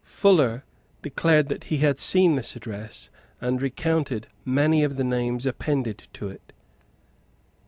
Fuller declared that he had seen this address, and recounted many of the names appended to it.